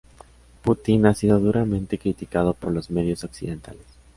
Putin ha sido duramente criticado por los medios occidentales.